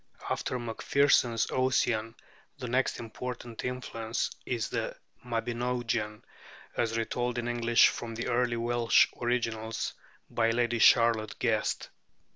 After Macpherson's 'Ossian' the next important influence is the 'Mabinogion,' as retold in English from the early Welsh originals by Lady Charlotte Guest.